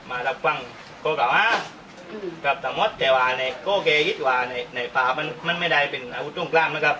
มารับฟังข้อกล่าวนะครับสมมติว่าในภาพมันไม่ได้เป็นอาวุธตรงกล้ามนะครับ